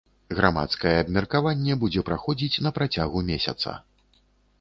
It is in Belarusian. Грамадскае абмеркаванне будзе праходзіць на працягу месяца.